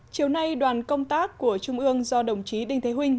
chiều nay đoàn công tác của trung ương do đồng chí đinh thế huynh